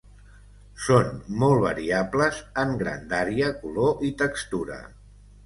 Són molt variables en grandària, color i textura.